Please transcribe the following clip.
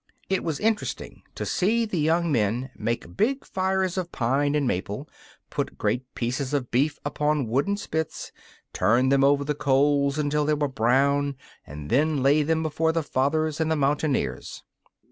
It was interesting to see the young men make big fires of pine and maple, put great pieces of beef upon wooden spits, turn them over the coals until they were brown, and then lay them before the Fathers and the mountaineers.